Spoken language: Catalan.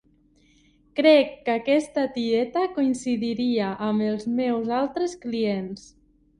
Crec que aquesta tieta coincidiria amb els meus altres clients.